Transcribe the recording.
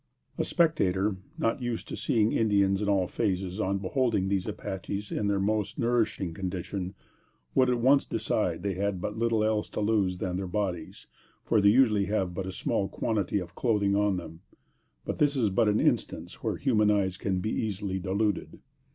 A spectator, not used to seeing Indians in all phases, on beholding these Apaches in their most nourishing condition, would at once decide they had but little else to lose than their bodies, for they usually have but a small quantity of clothing on them; but this is but an instance where human eyes can be easily deluded.